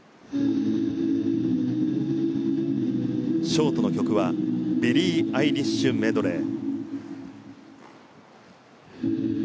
ショートの曲は「ビリー・アイリッシュメドレー」。